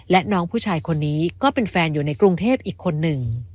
และน้องผู้ชายคนนี้ก็เป็นแฟนอยู่ในกรุงเทพอีกคนหนึ่ง